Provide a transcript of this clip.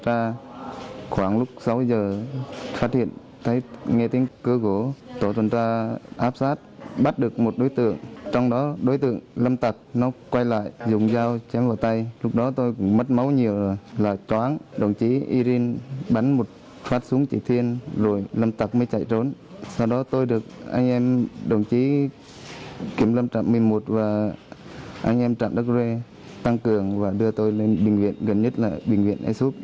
anh em trạm đất rơi tăng cường và đưa tôi lên bệnh viện gần nhất là bệnh viện aesup